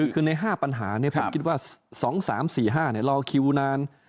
คือใน๕ปัญหาผมคิดว่า๒๓๔๕รอคิวนาน